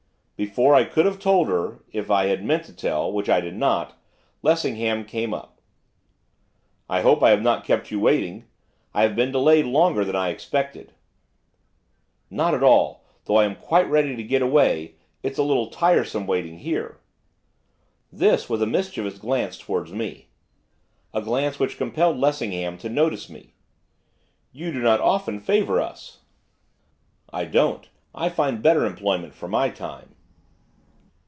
Before I could have told her if I had meant to tell; which I did not Lessingham came up. 'I hope I have not kept you waiting; I have been delayed longer than I expected.' 'Not at all, though I am quite ready to get away; it's a little tiresome waiting here.' This with a mischievous glance towards me, a glance which compelled Lessingham to notice me. 'You do not often favour us.' 'I don't. I find better employment for my time.